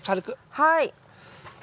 はい。